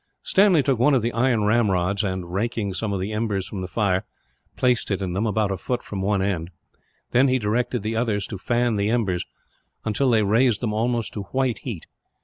Stanley took one of the iron ramrods and, raking some of the embers from the fire, placed it in them, about a foot from one end; then he directed the others to fan the embers, until they raised them almost to white heat.